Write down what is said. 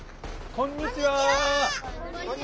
こんにちは！